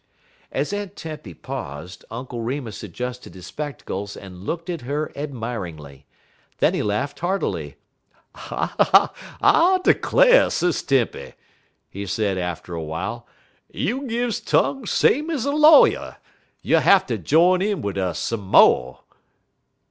As Aunt Tempy paused, Uncle Remus adjusted his spectacles and looked at her admiringly. Then he laughed heartily. "I declar', Sis Tempy," he said, after a while, "you gives tongue same ez a lawyer. You'll hatter jine in wid us some mo'."